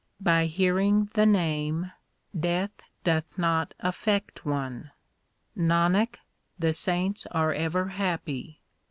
By hearing the Name death doth not affect one. 3 Nanak, the saints are ever happy.